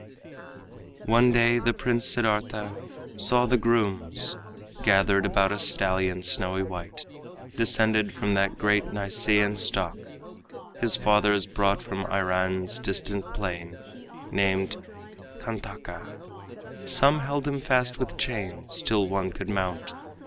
One day the Prince Siddartha saw the grooms Gathered about a stallion, snowy white, Descended from that great Nisaean stock His fathers brought from Iran's distant plain, Named Kantaka. Some held him fast with chains Till one could mount.